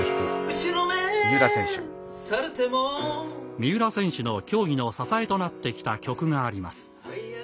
三浦選手の競技の支えとなってきた曲があります。